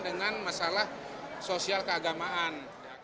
dengan masalah sosial keagamaan